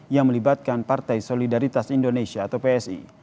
yang melibatkan partai solidaritas indonesia atau psi